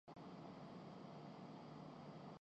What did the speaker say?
اور greenhouse effect کو سبز مکانی اثر لکھا کرتے تھے